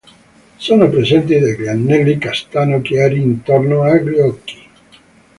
Sono presenti degli anelli castano chiari intorno agli occhi.